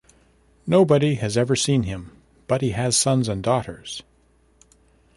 Nobody has ever seen him, but he has sons and daughters.